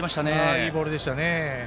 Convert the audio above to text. いいボールでしたね。